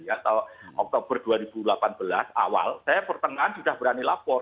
atau oktober dua ribu delapan belas awal saya pertengahan sudah berani lapor